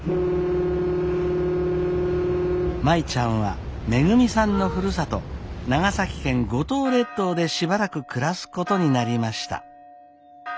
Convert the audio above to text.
舞ちゃんはめぐみさんのふるさと長崎県五島列島でしばらく暮らすことになりました。